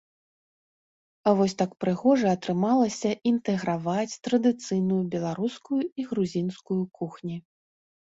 Вось так прыгожа атрымалася інтэграваць традыцыйную беларускую і грузінскую кухні.